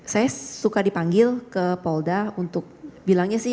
saya suka dipanggil ke polda untuk bilangnya sih